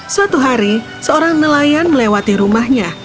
suatu hari seorang nelayan melewati rumahnya